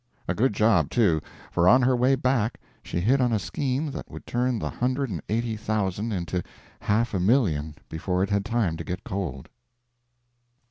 A good job, too; for on her way back she hit on a scheme that would turn the hundred and eighty thousand into half a million before it had had time to get cold.